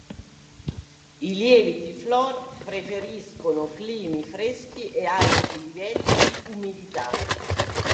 I lieviti flor preferiscono climi freschi e alti livelli di umidità.